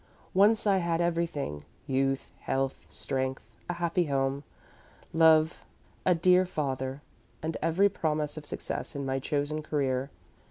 Once I had everything youth, health, strength, a happy home, love, a dear father, and every promise of success in my chosen career.